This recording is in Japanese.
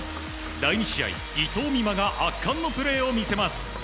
第２試合、伊藤美誠が圧巻のプレーを見せます。